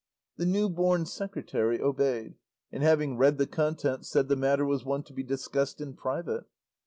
The new born secretary obeyed, and having read the contents said the matter was one to be discussed in private.